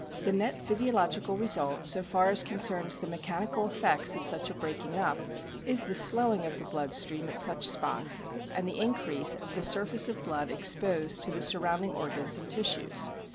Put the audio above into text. The net physiological result, so far as concerns the mechanical effects of such a breaking up, is the slowing of the blood stream at such spots, and the increase of the surface of blood exposed to the surrounding organs and tissues.